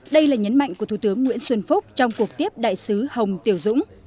đây là nhấn mạnh của thủ tướng nguyễn xuân phúc trong cuộc tiếp đại sứ hồng tiểu dũng